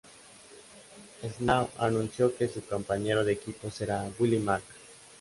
Swann anunció que su compañero de equipo será Willie Mack.